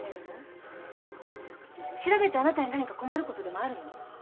調べてあなたに何か困ることでもあるの？